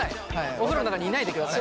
お風呂の中にいないでください。